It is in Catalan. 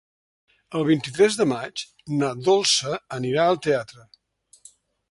El vint-i-tres de maig na Dolça anirà al teatre.